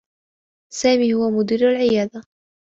سامي هو مدير العيادة.